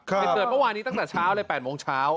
เหตุเกิดเมื่อวานนี้ตั้งแต่เช้าเลย๘โมงเช้า